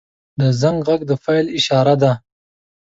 • د زنګ غږ د پیل اشاره ده.